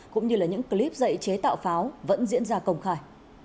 cũng như là những clip dạy chế tạo pháo vẫn diễn ra công khai